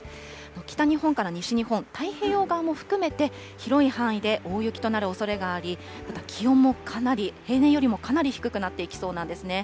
北日本から西日本、太平洋側も含めて広い範囲で大雪となるおそれがあり、また気温もかなり、平年よりかなり低くなっていきそうなんですね。